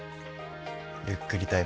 ゆっくりタイム。